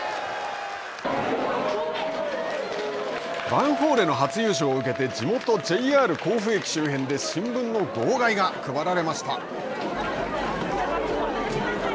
ヴァンフォーレの初優勝を受けて、地元のＪＲ甲府駅周辺で新聞の号外が配られました。